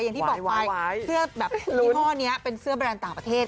อย่างที่บอกไปเสื้อแบบยี่ห้อนี้เป็นเสื้อแบรนด์ต่างประเทศ